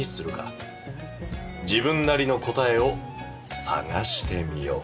自分なりの答えを探してみよう。